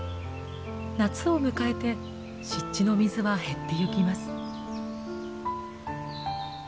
夏を迎えて湿地の水は減ってゆきます。